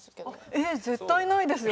えっ絶対ないですよ。